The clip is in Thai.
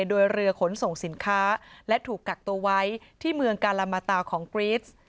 โดยเรือขนส่งสินค้าและถูกกักตัวไว้ที่เมืองกาลามาตาของกรีส